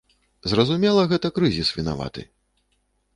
Зразумела, гэта крызіс вінаваты.